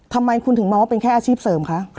ทำไมคุณถึงมองว่าเป็นแค่อาชีพเสริมคะ